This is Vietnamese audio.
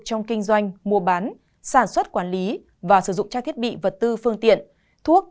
trong kinh doanh mua bán sản xuất quản lý và sử dụng trang thiết bị vật tư phương tiện thuốc